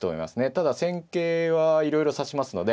ただ戦型はいろいろ指しますので